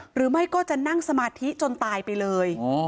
หรือไม่ก็จะนั่งสมาธิจนตายไปเลย